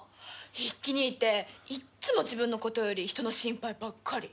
一輝兄っていっつも自分のことより人の心配ばっかり。